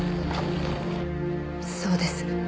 そうです。